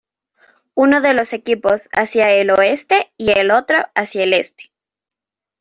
Uno de los equipos hacia el oeste y el otro hacia el este.